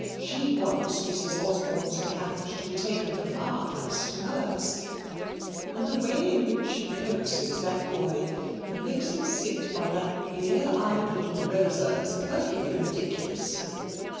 She wants Mrs. Osborne's account to be taken from our house to hers and the way in which she coaxes that boy and makes him sit by that blear eyed little Rosa is perfectly ridiculous."